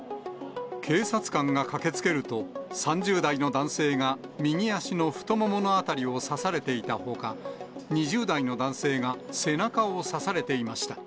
警察官が駆けつけると、３０代の男性が右足の太ももの辺りを刺されていたほか、２０代の男性が背中を刺されていました。